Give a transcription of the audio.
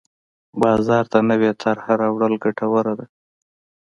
بازار ته نوې طرحه راوړل ګټوره ده.